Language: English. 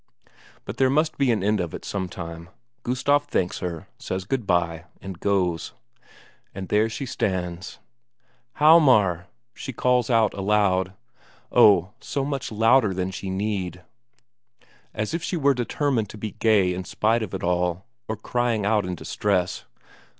But there must be an end of it some time; Gustaf thanks her, says good bye, and goes. And there she stands. "Hjalmar!" she calls out aloud oh, so much louder than she need. As if she were determined to be gay in spite of all or crying out in distress.